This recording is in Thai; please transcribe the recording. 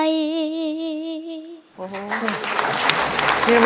ยิ่งเสียใจ